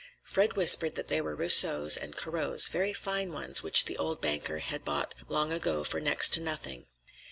Fred whispered that they were Rousseaus and Corots, very fine ones which the old banker had bought long ago for next to nothing.